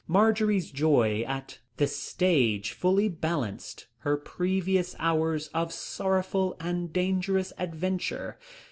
Marjory's joy at this stage fully balanced her previous hours of sorrowful and dangerous adventure.